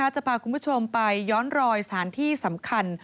จะพาคุณผู้ชมไปย้อนรอยสถานที่สำคัญ